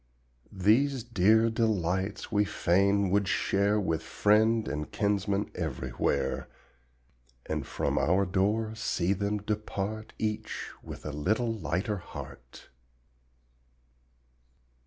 These dear delights we fain would share With friend and kinsman everywhere, And from our door see them depart Each with a little lighter heart.